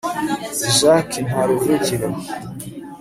jacques ntaruvugiro